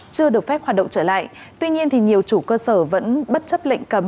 chưa được phép hoạt động trở lại tuy nhiên thì nhiều chủ cơ sở vẫn bất chấp lệnh cấm